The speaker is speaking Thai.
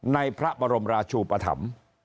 ในพระบรมราชูปธรรม